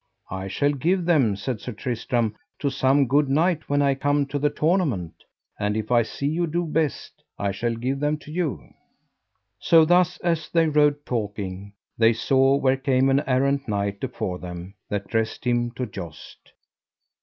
I shall give them, said Sir Tristram, to some good knight when I come to the tournament; and if I see you do best, I shall give them to you. So thus as they rode talking they saw where came an errant knight afore them, that dressed him to joust.